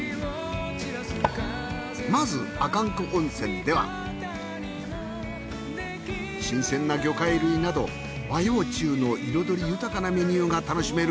まず阿寒湖温泉では新鮮な魚介類など和洋中の彩り豊かなメニューが楽しめる